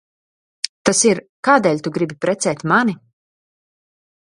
Tas ir, kādēļ tu gribi precēt mani?